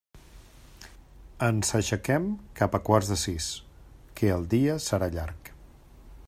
Ens aixequem cap a quarts de sis, que el dia serà llarg.